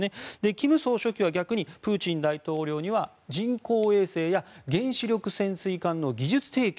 金総書記は逆にプーチン大統領には人工衛星や原子力潜水艦の技術提供